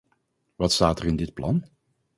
Wat staat er in dit plan?